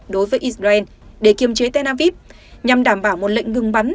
đối với israel để kiềm chế tena vip nhằm đảm bảo một lệnh ngừng bắn